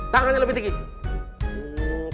tangannya lebih tinggi